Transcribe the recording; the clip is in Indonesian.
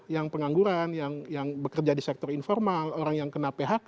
yang pengangguran yang bekerja di sektor informal orang yang kena ph